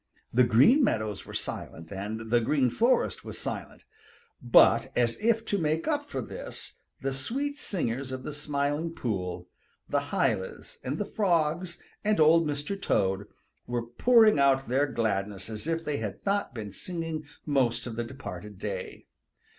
The Green Meadows were silent, and the Green Forest was silent, but as if to make up for this, the sweet singers of the Smiling Pool, the hylas and the frogs and Old Mr. Toad, were pouring out their gladness as if they had not been singing most of the departed day.